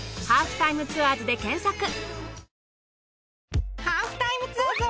『ハーフタイムツアーズ』で検索。